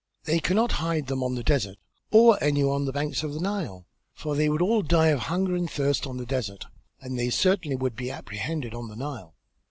They cannot hide them on the desert or anywhere on the banks of the Nile, for they all would die of hunger and thirst on the desert, and they certainly would be apprehended on the Nile.